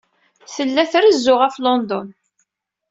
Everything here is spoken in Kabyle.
Tella trezzu ɣef London.